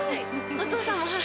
お父さんもほら！